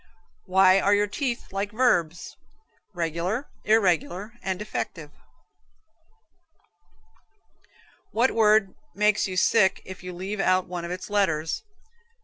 Why are your teeth like verbs? Regular, irregular and defective? What word makes you sick if you leave out one of its letters?